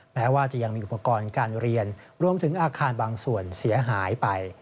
แม้ว่าจะยังมีอุปกรณ์การเรียนรวมถึงอาคารบางส่วนเสียหายไป